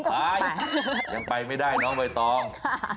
ไปยังไปไม่ได้น้องใบตอง